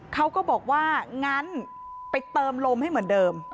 เขาก็บอกว่างั้นไปเติมลมให้เหมือนเดิม